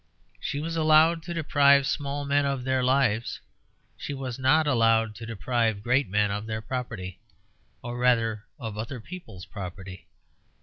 She was allowed to deprive small men of their lives, she was not allowed to deprive great men of their property or rather of other people's property.